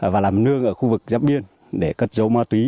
và làm nương ở khu vực giáp biên để cất dấu ma túy